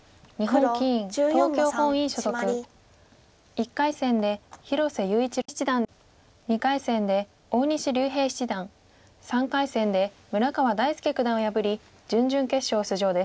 １回戦で広瀬優一七段２回戦で大西竜平七段３回戦で村川大介九段を破り準々決勝出場です。